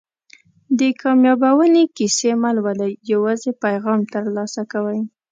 د کامیابیونې کیسې مه لولئ یوازې پیغام ترلاسه کوئ.